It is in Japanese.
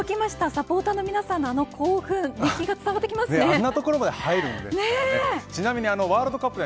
サポーターの皆さんの興奮熱気が伝わってきます。